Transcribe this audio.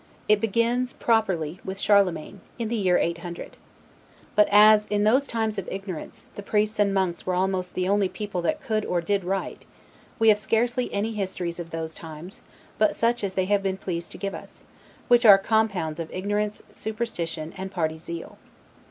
It begins, properly with Charlemagne, in the year 800. But as, in those times of ignorance, the priests and monks were almost the only people that could or did write, we have scarcely any histories of those times but such as they have been pleased to give us, which are compounds of ignorance, superstition, and party zeal.